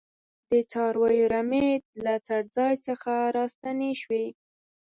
د څارویو رمې له څړځای څخه راستنې شوې.